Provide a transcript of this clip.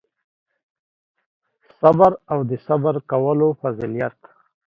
صبر او د صبر کولو فضیلت